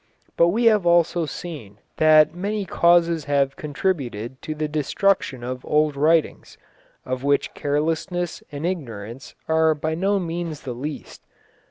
But we have also seen that many causes have contributed to the destruction of old writings, of which carelessness and ignorance are by no means the least.